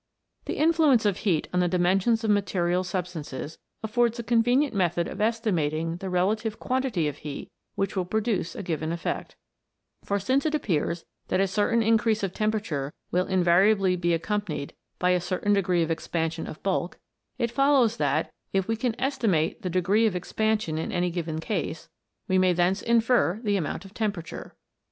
The influence of heat on the dimensions of mate rial substances affords a convenient method of estimating the relative quantity of heat which will produce a given effect ; for since it appears that a certain increase of temperature will invariably be accompanied by a certain degree of expansion of bulk, it follows that, if we can estimate the degree of expansion in any given case, we may thence infer the amount of temperature.